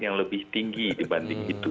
yang lebih tinggi dibanding itu